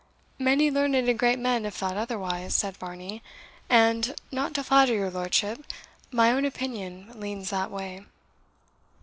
"Many learned and great men have thought otherwise," said Varney; "and, not to flatter your lordship, my own opinion leans that way."